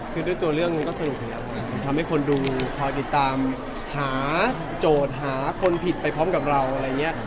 คือด้วยตัวเรื่องก็สรุปทำให้คนดูคอยติดตามหาโจทย์หาคนผิดไปพร้อมกับเราอะไรอย่างนี้